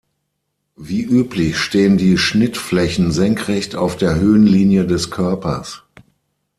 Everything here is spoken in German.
Wie üblich stehen die Schnittflächen senkrecht auf der Höhenlinie des Körpers.